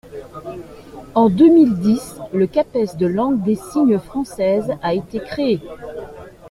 En deux mille dix, le CAPES de langue des signes française a été créé.